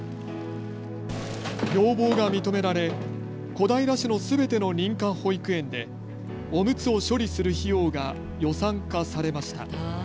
要望が認められ小平市のすべての認可保育園でおむつを処理する費用が予算化されました。